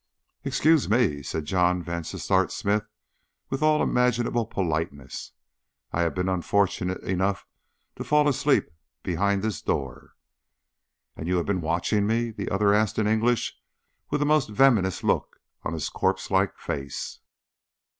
"Excuse me," said John Vansittart Smith, with all imaginable politeness; "I have been unfortunate enough to fall asleep behind this door." "And you have been watching me?" the other asked in English, with a most venomous look on his corpse like face.